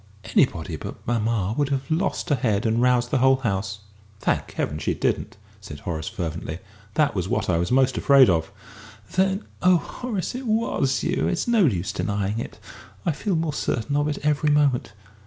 Anybody but mamma would have lost her head and roused the whole house." "Thank Heaven she didn't!" said Horace, fervently. "That was what I was most afraid of." "Then oh, Horace, it was you! It's no use denying it. I feel more certain of it every moment!"